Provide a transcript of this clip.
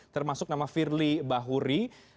termasuk nama firly bahuri